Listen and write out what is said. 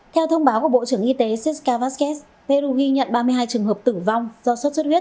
theo thông báo của bộ trưởng y tế siska vázquez peru ghi nhận ba mươi hai trường hợp tử vong do xuất xuất huyết